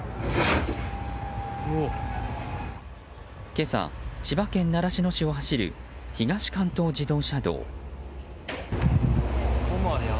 今朝、千葉県習志野市を走る東関東自動車道。